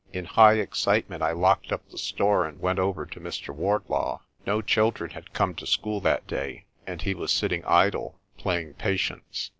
In high excitement I locked up the store and went over to Mr. Wardlaw. No children had come to school that day, and he was sitting idle, playing patience.